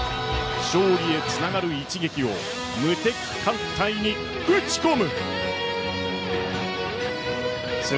勝利へつながる一撃を無敵艦隊へ打ち込む。